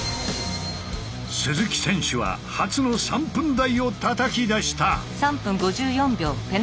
鈴木選手は初の３分台をたたき出した。